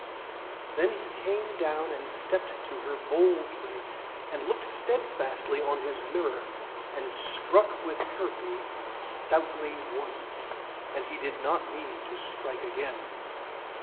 Then he came down and stepped to her boldly, and looked steadfastly on his mirror, and struck with Herpé stoutly once; and he did not need to strike again.